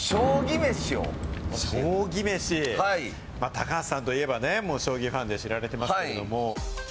高橋さんといえば将棋ファンで知られてますけれども。